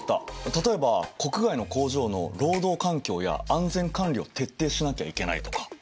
例えば国外の工場の労働環境や安全管理を徹底しなきゃいけないとか。